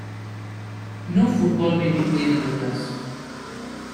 No football may be played on the grass.